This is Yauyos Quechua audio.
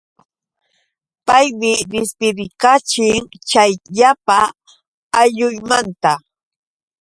Paymi dispidikachin chay llapa ayllunmanta.